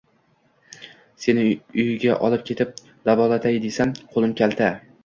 Seni uyga olib ketib, davolatay desam, qo`lim kalta